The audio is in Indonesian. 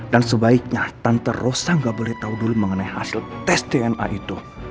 dan sebaiknya tante rosa gak boleh tahu dulu mengenai hasil tes dna itu